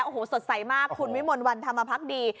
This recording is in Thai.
โอ้โฮสดใสมากคุณวิมนต์วันทำมาพักดี